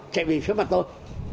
chảy bị phía mặt tôi